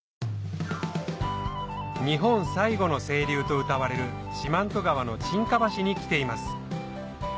日本最後の清流とうたわれる四万十川の沈下橋に来ています